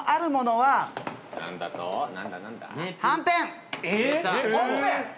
はんぺん？